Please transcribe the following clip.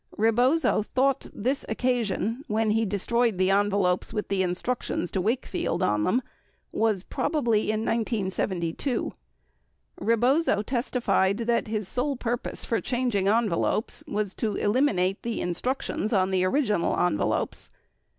Rebozo thought this occasion — when he destroyed the envelopes with the instructions to Wakefield on them — was probably in 1972. 72 Rebozo testified that the sole purpose for changing envelopes was "to eliminate the instructions." 73 on the original envelopes.